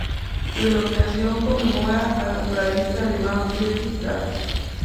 Su denominación conmemora al naturalista alemán Friedrich Dahl.